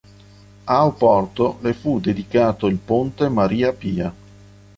A Oporto le fu dedicato il Ponte Maria Pia.